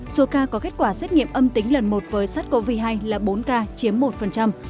số ca có kết quả xét nghiệm âm tính lần một với sars cov hai là bốn ca chiếm một